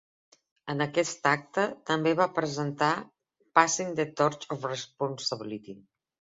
En aquest acte, també va presentar "Passing the Torch of Responsability".